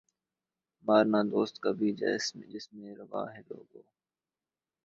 مارنا دوست کا بھی جس میں روا ہے لوگو